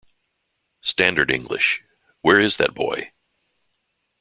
Standard English: Where is that boy?